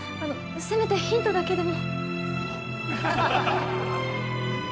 せめてヒントだけでも。